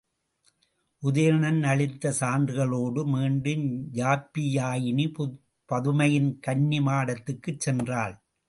உதயணன் அளித்த சான்றுகளோடு மீண்டும் யாப்பியாயினி பதுமையின் கன்னிமாடத்துக்குச் சென்றாள்.